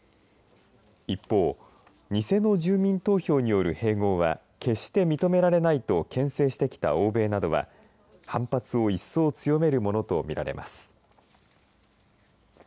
一方、偽の住民投票による併合は決して認められないとけん制してきた欧米などは反発を一層強めるものと見られます。